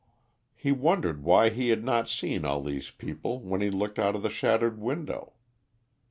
He wondered why he had not seen all these people when he looked out of the shattered window.